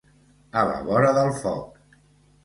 A la vora del foc.